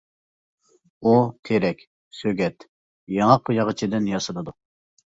ئۇ تېرەك، سۆگەت، ياڭاق ياغىچىدىن ياسىلىدۇ.